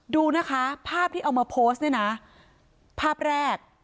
ดูนะคะภาพที่เอามาโพสต์เนี่ยนะภาพแรก